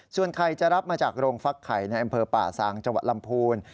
ส่วนใครจะรับมาจากโรงฟักไข่ในอำเภอป่าซางจังหวัดลำพูน